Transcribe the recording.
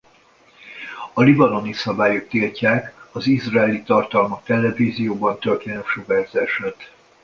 A libanoni szabályok tiltják az izraeli tartalmak televízióban történő sugárzását.